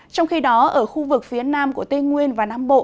trong khi đó ở khu vực phía nam của tây nguyên và nam bộ